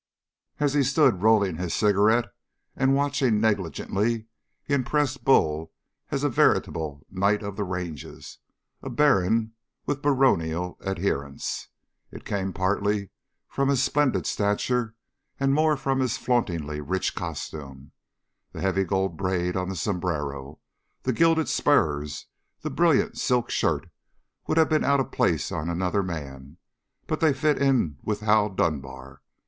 As he stood rolling his cigarette and watching negligently, he impressed Bull as a veritable knight of the ranges, a baron with baronial adherents. It came partly from his splendid stature, and more from his flauntingly rich costume. The heavy gold braid on the sombrero, the gilded spurs, the brilliant silk shirt would have been out of place on another man, but they fit in with Hal Dunbar.